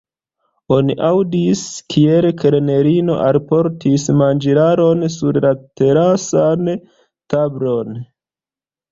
Oni aŭdis, kiel kelnerino alportis manĝilaron sur la terasan tablon.